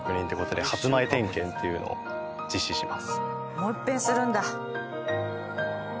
もう一遍するんだ。